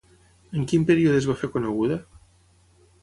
En quin període es va fer coneguda?